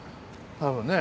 多分ね。